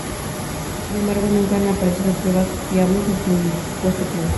Sin embargo, nunca han aparecido pruebas fiables del supuesto plan.